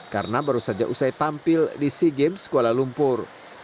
karena baru saja usai tampil di sea games kuala lumpur